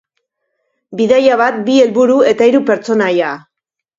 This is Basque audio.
Bidaia bat, bi helburu eta hiru pertsonaia.